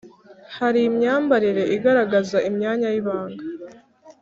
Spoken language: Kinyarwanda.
Harimyambarire igaragaza imyanya yibanga